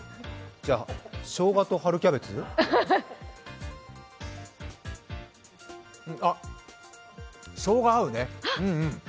じゃ、しょうがと春キャベツあっ、しょうが合うね。